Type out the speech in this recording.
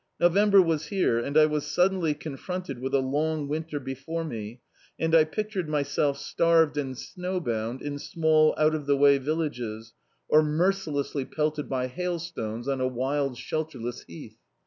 November was here, and I was suddenly ctoifronted with a Itmg winter before me, and I pictured myself starved and snow bound in small out of the way villages, or mercilessly pelted D,i.,.db, Google On the Downright by hailstcmes on a wild shelterless heath.